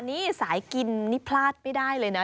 นี่สายกินนี่พลาดไม่ได้เลยนะ